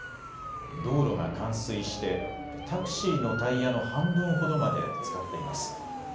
道路が冠水してタクシーのタイヤの半分ほどまでつかっています。